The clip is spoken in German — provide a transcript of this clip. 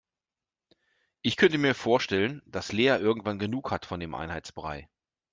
Ich könnte mir vorstellen, dass Lea irgendwann genug hat von dem Einheitsbrei.